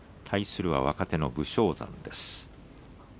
対するは若手の武将山です。